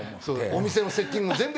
お店のセッティングも全部。